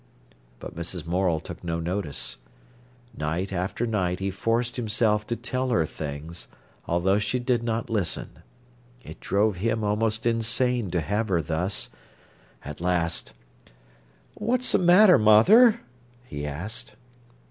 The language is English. But Mrs. Morel took no notice. Night after night he forced himself to tell her things, although she did not listen. It drove him almost insane to have her thus. At last: "What's a matter, mother?" he asked.